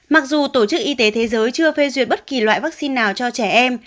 mặc dù tổ chức y tế thế giới chưa phê duyệt bất kỳ loại vaccine nào cho trẻ em